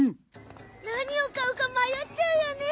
何を買うか迷っちゃうよね。